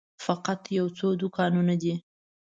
فقط یو څو دوکانونه دي.